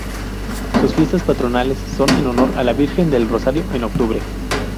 Sus fiestas patronales son en honor a la Virgen del Rosario en octubre.